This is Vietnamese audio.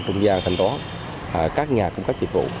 công gia thanh toán các nhà cũng các dịch vụ